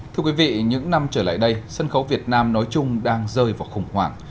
thưa quý vị những năm trở lại đây sân khấu việt nam nói chung đang rơi vào khủng hoảng